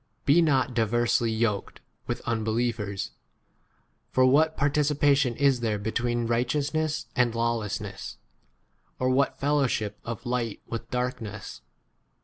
14 Be not diversely yoked with unbelievers ; for what participa tion [is there] between righteous ness and lawlessness ? orP what fellowship of light with darkness